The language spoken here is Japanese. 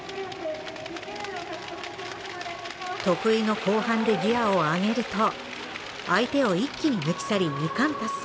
得意の後半でギアを上げると相手を一気に抜き去り、２冠達成。